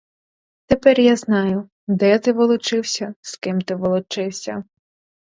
Тепер я знаю, де ти волочився, з ким ти волочився.